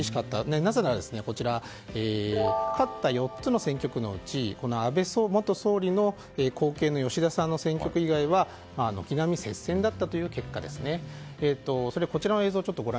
なぜなら、勝った４つの選挙区のうち安倍元総理の代わりの吉田真次氏以外の選挙区では軒並み接戦だったという結果です。